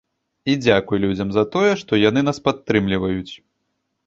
І дзякуй людзям за тое, што яны нас падтрымліваюць.